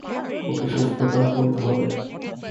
ওকে সুস্থ করে তুলতে হবে।